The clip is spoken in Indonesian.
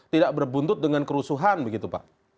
tidak berbuntut dengan kerusuhan begitu pak